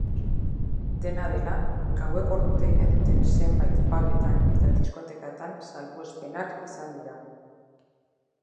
Dena dela, gaueko ordutegia duten zenbait pubetan eta diskotekatan salbuespenak izan dira.